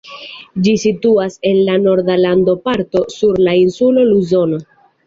Ĝi situas en la norda landoparto, sur la insulo Luzono.